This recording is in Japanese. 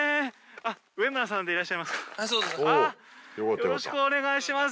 よろしくお願いします。